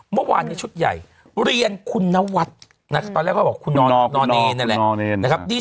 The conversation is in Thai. เขาก็เลยเสียะกลับด้วยไอจีของเขาตอนแรกเขาก็เสียะกลับไปเสียะกันมาเบา